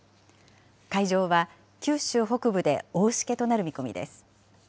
海上は九州北部で大しけとなる見込みです。